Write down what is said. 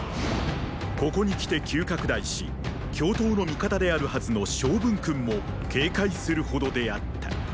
ここにきて急拡大し共闘の味方であるはずの昌文君も警戒するほどであった。